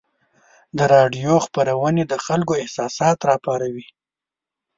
د راډیو خپرونې د خلکو احساسات راپاروي.